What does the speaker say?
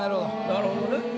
なるほどね。